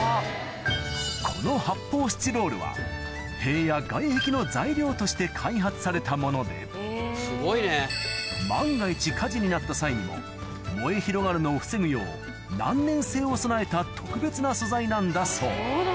この発泡スチロールは塀や外壁の材料として開発されたもので万が一火事になった際にもを備えた特別な素材なんだそう